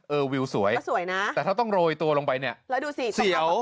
วิวสวยก็สวยนะแต่ถ้าต้องโรยตัวลงไปเนี่ยแล้วดูสิเสียว